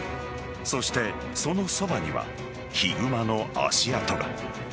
そして、そのそばにはヒグマの足跡が。